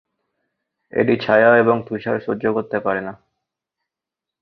এটি ছায়া এবং তুষার সহ্য করতে পারেনা।